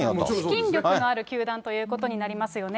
資金力のある球団ということになりますよね。